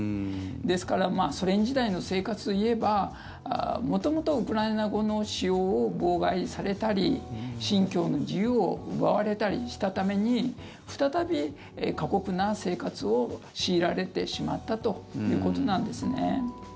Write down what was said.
ですからソ連時代の生活といえば元々、ウクライナ語の使用を妨害されたり信教の自由を奪われたりしたために再び過酷な生活を強いられてしまったということなんですね。